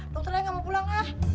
dokternya gak mau pulang